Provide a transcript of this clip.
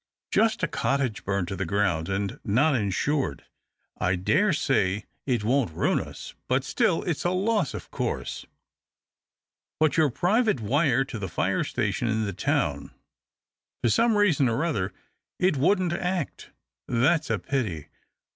" Just a cottage — burned to the ground, and not insured. I dare say it won't ruin us, but still it's a loss, of course." " But your private wire to the fire station in the town 1 "" For some reason or other it wouldn't act." " That's a pity.